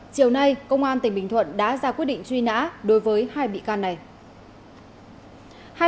chiều nay công an tỉnh bình thuận đã ra quyết định truy nã đối với hai bị can này